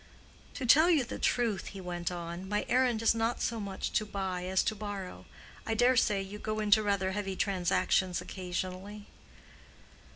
"To tell you the truth," he went on, "my errand is not so much to buy as to borrow. I dare say you go into rather heavy transactions occasionally."